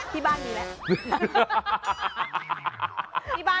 ที่บ้านมีแหละ